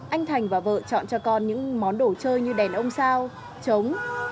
anh thành và vợ chọn cho con những món đồ chơi như đèn ông sao trống